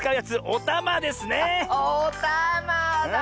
おたまだ！